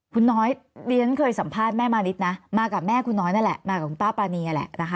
คุณน้อยดิฉันเคยสัมภาษณ์แม่มานิดนะมากับแม่คุณน้อยนั่นแหละมากับคุณป้าปานีนั่นแหละนะคะ